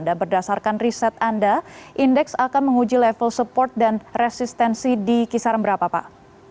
dan berdasarkan riset anda indeks akan menguji level support dan resistensi di kisaran berapa pak